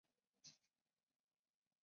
书写温柔又疏离的人间剧场。